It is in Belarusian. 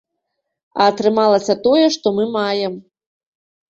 А атрымалася тое, што мы маем.